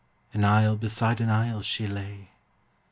An isle beside an isle she lay.